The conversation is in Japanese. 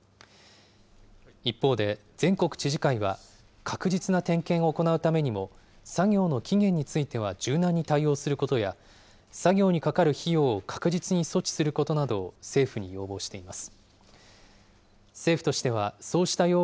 一方で全国知事会は、確実な点検を行うためにも、作業の期限については、柔軟に対応することや、作業にかかる費用を確実に措置することなどを政府に要望しています。